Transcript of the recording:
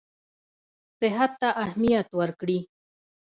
صحت ته اهمیت ورکړي.